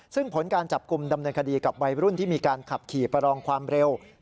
ซึ่งผลการจับกลุ่มดำเนินคดีกับวัยรุ่นที่มีการขับขี่ประลองความเร็ว